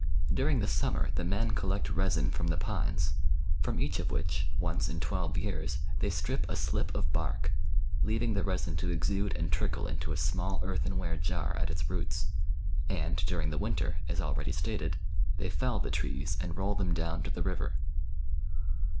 During the summer the men collect resin from the pines, from each of which, once in twelve years, they strip a slip of bark, leaving the resin to exude and trickle into a small earthenware jar at its roots ; and, during the winter, as already stated, they fell the trees and roll them down to the river.